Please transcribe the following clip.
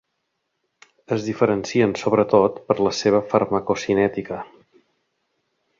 Es diferencien sobretot per la seva farmacocinètica.